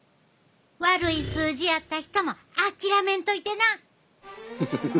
悪い数字やった人も諦めんといてな。